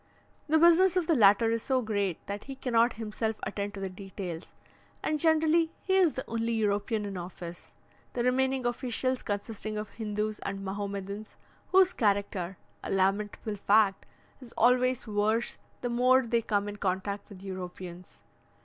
The business of the latter is so great, that he cannot himself attend to the details, and generally he is the only European in office, the remaining officials consisting of Hindoos and Mahomedans, whose character a lamentable fact is always worse the more they come in contact with Europeans.